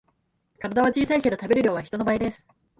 体は小さいけど食べる量は人の倍です